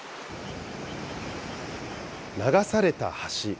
流された橋。